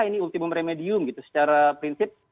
jadi ultimum remedium gitu secara prinsip